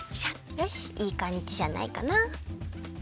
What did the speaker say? よしいいかんじじゃないかな。